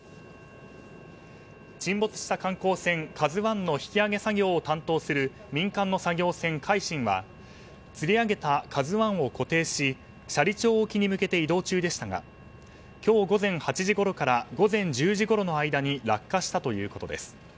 沈没した観光船「ＫＡＺＵ１」の引き揚げ作業を担当する民間の作業船「海進」はつり上げた「ＫＡＺＵ１」を固定し斜里町沖に向けて移動中でしたが今日午前８時ごろから１０時ごろの間に落下したということです。